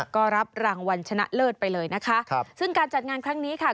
ก็รับรางวัลชนะเลิศไปเลยนะคะครับซึ่งการจัดงานครั้งนี้ค่ะ